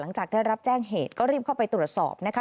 หลังจากได้รับแจ้งเหตุก็รีบเข้าไปตรวจสอบนะคะ